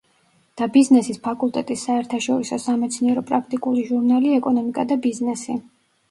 და ბიზნესის ფაკულტეტის საერთაშორისო სამეცნიერო-პრაქტიკული ჟურნალი „ეკონომიკა და ბიზნესი“.